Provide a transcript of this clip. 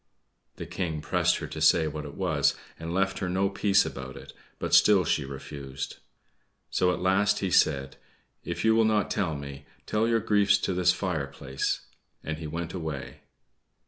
The King pressed her to say what it was, and left her no peace about it; but still she refused. So at last he said, "If you will not tell me, tell your griefs to this fireplace;" and he went away.